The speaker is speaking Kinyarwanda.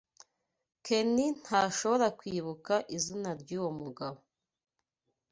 Ken ntashobora kwibuka izina ryuwo mugabo.